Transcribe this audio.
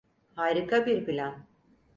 Harika bir plan.